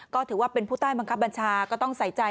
ก็ถือว่าเป็นผู้ใต้บังคับบัญชาก็ต้องใส่ใจ